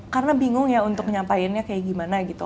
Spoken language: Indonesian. karena bingung ya untuk nyampainya kayak gimana gitu